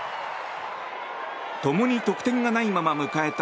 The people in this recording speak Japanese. ともに得点がないまま迎えた